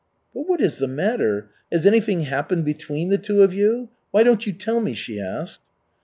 "But what is the matter? Has anything happened between the two of you? Why don't you tell me?" she asked.